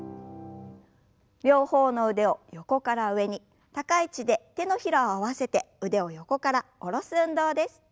両方の腕を横から上に高い位置で手のひらを合わせて腕を横から下ろす運動です。